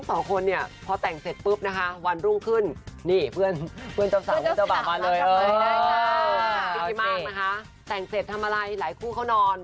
พี่ทิม่าแต่งเสร็จทำอะไรหลายคู่เขานอน